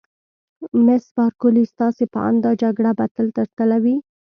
مس بارکلي: ستاسي په اند دا جګړه به تل تر تله وي؟